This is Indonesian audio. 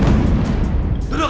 lu gue mau buang